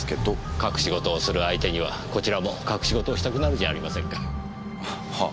隠し事をする相手にはこちらも隠し事をしたくなるじゃありませんか。はあ。